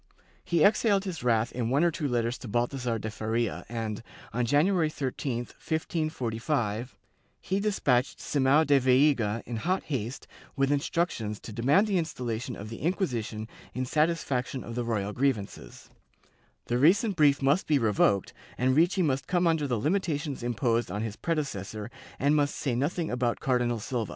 He exhaled his wrath in one or two letters to Bal thasar de Faria and, on January 13, 1545, he despatched Simao da Veiga in hot haste with instructions to demand the installa tion of the Inquisition in satisfaction of the royal grievances; the recent brief must be revoked, and Ricci must come under the limitations imposed on his predecessor and must say nothing about Cardinal Silva.